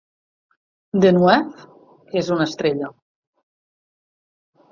Deneuve és una estrella.